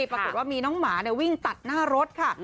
ปรากฏว่ามีน้องหมาวิ่งตัดหน้ารถค่ะ